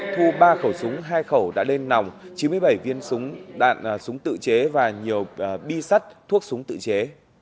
thu ba khẩu súng hai khẩu đã lên nòng chín mươi bảy viên súng đạn súng tự chế và nhiều bi sắt thuốc súng tự chế